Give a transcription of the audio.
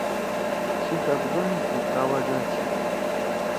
چھی خفگان سی کا وجہ چھی؟